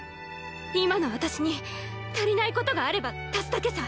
今の私に足りないことがあれば足すだけさ。